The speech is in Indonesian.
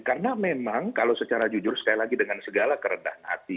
karena memang kalau secara jujur sekali lagi dengan segala kereta